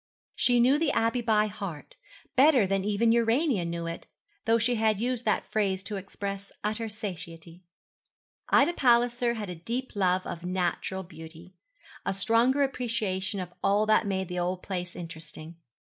She knew the Abbey by heart better than even Urania knew it; though she had used that phrase to express utter satiety. Ida Palliser had a deeper love of natural beauty, a stronger appreciation of all that made the old place interesting.